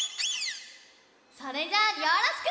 それじゃあよろしく！